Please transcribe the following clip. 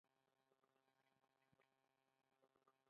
د اوسټیومایلايټس د هډوکو عفونت دی.